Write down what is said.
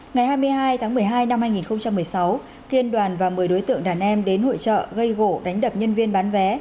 ngày hai mươi hai tháng một mươi hai năm hai nghìn một mươi sáu kiên đoàn và một mươi đối tượng đàn em đến hội trợ gây gỗ đánh đập nhân viên bán vé